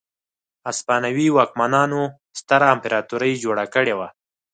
هسپانوي واکمنانو ستره امپراتوري جوړه کړې وه.